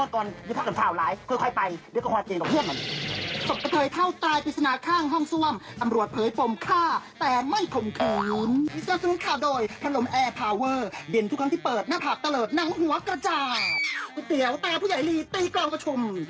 ก๋วยเตี๋ยวตาผู้ใหญ่ลีตีกลองประชุม